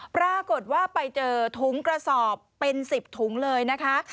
ปรากฏว่าไปเจอถุงกระสอบเป็น๑๐ถุงเลยนะคะ